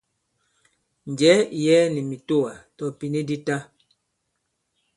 Njɛ̀ɛ ì yɛɛ nì mìtoà, tɔ̀ ìpìni di ta.